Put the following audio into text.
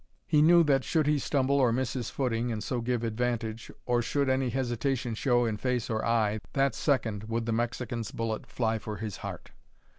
He knew that, should he stumble or miss his footing and so give advantage, or should any hesitation show in face or eye, that second would the Mexican's bullet fly for his heart.